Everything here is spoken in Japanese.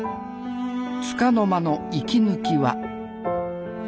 つかの間の息抜きは。